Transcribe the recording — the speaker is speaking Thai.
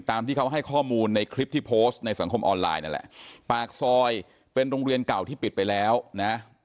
ตามที่เขาให้ข้อมูลในคลิปที่โพสต์ในสังคมออนไลน์นั่นแหละปากซอยเป็นโรงเรียนเก่าที่ปิดไปแล้วนะ